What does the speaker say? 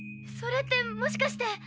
それってもしかして。